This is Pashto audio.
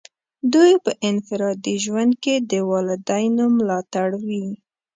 دوی په انفرادي ژوند کې د والدینو ملاتړ وي.